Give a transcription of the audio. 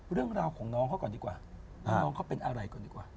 เรื่องราวของน้องเขาก่อนดีกว่าให้น้องเขาเป็นอะไรก่อนดีกว่า